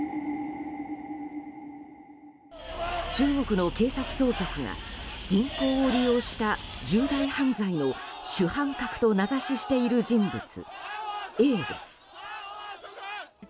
中国の警察当局が銀行を利用した重大犯罪の主犯格と名指ししている人物、Ａです。